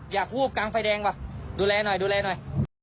วูบกลางไฟแดงว่ะดูแลหน่อยดูแลหน่อย